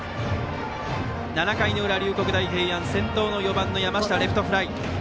７回裏、龍谷大平安先頭の４番の山下はレフトフライ。